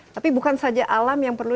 tapi bukan saja alam yang perlu